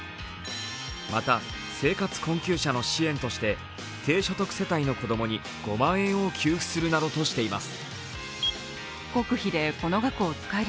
また生活困窮者の支援として低所得世帯の子供に５万円を給付するなどとしています